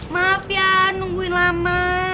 maaf ya nungguin lama